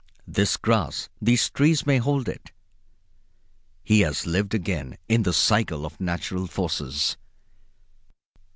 This grass, these trees, may hold it. He has lived again in the cycle of natural forces.